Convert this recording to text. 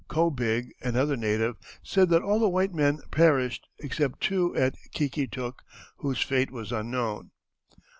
Ko big, another native, said that all the white men perished, except two at Ki ki tuk, whose fate was unknown.